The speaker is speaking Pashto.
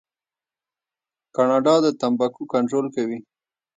کاناډا د تمباکو کنټرول کوي.